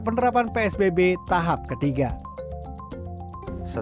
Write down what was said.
penyebaran covid sembilan belas di jakarta sudah mencapai satu